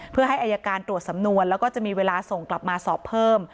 เพื่อให้อายการตรวจสำนวนแล้วก็จะมีเวลาส่งกลับมาสอบเพิ่ม